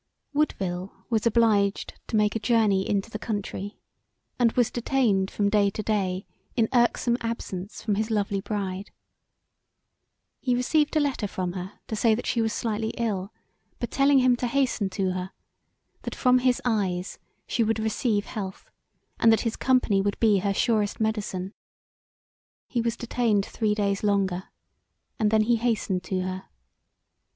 Woodville was obliged to make a journey into the country and was detained from day to day in irksome absence from his lovely bride. He received a letter from her to say that she was slightly ill, but telling him to hasten to her, that from his eyes she would receive health and that his company would be her surest medecine. He was detained three days longer and then he hastened to her.